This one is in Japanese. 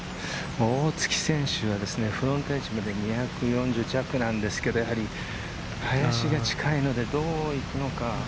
大槻選手がフロントエッジまで２４０弱なんですけど、林が近いのでどう行くのか。